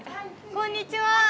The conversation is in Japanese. ・こんにちは。